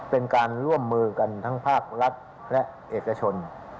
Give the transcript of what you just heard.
เป็นการร่วมมือกันทั้งภาครัฐและเอกชน